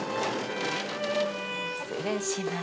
失礼します。